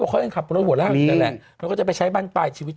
บอกค่อยขับรถหัวราคมีแล้วก็จะไปใช้บ้านปลายชีวิต